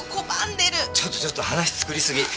ちょっとちょっと話作りすぎ。